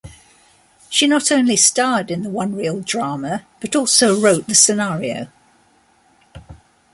She not only starred in the one-reel drama but also wrote the scenario.